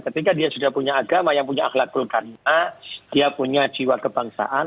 ketika dia sudah punya agama yang punya akhlakul karna dia punya jiwa kebangsaan